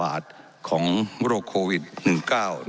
นุ้นกามพนันเหมือนกัน